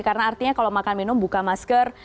karena artinya kalau makan minum buka masker